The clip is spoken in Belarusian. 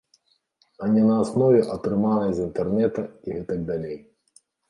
А не на аснове атрыманай з інтэрнэта і гэтак далей.